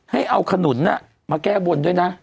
ให้เอาขนุนมาแก้บนด้วยนะ